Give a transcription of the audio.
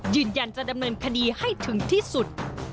ยืนยันจะดำเนินคดีให้ถึงที่สุด